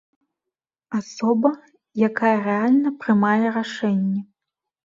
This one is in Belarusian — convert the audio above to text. Асоба, якая рэальна прымае рашэнні.